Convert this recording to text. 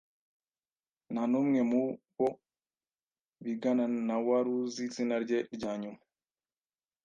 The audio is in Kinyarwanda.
Nta n'umwe mu bo bigana na wari uzi izina rye rya nyuma.